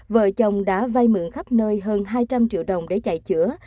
vợ chồng đã vay mượn khắp nơi hơn hai trăm linh triệu đồng để chạy chữa